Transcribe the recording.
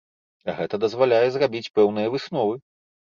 Гэта дазваляе зрабіць пэўныя высновы.